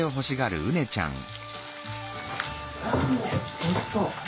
おいしそう！